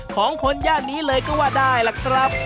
ของคนย่านนี้เลยก็ว่าได้ล่ะครับ